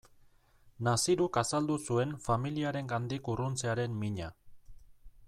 Naziruk azaldu zuen familiarengandik urruntzearen mina.